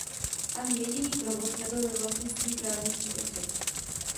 Ani jediný provoz nebyl ve vlastnictví právnických osob.